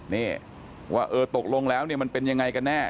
นี่ว่าเออตกลงแล้วเนี่ยมันเป็นยังไงกันแน่